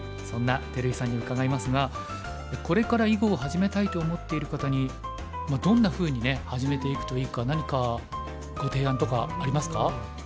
そんな照井さんに伺いますがこれから囲碁を始めたいと思っている方にどんなふうにね始めていくといいか何かご提案とかありますか？